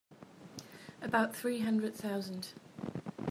About three hundred thousand.